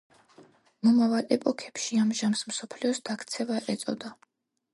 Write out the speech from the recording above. მომავალ ეპოქებში ამ ჟამს „მსოფლიოს დაქცევა“ ეწოდა.